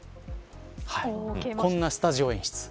こんなスタジオ演出。